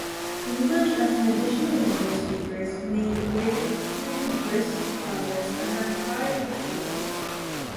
English as an additional language speakers make very brisk progress and are high achievers.